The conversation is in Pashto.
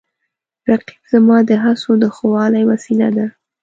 رقیب زما د هڅو د ښه والي وسیله ده